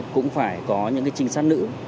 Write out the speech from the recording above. cũng phải có những trinh sát nữ